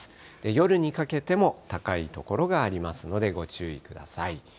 夜にかけても高い所がありますので、ご注意ください。